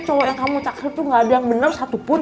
cowo yang kamu takir tuh gak ada yang bener satupun